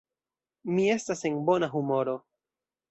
Mi estas en bona humoro.